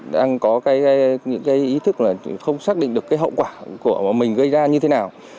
đang có những ý thức là không xác định được hậu quả của mình gây ra như thế nào